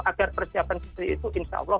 agar persiapan seperti itu insya allah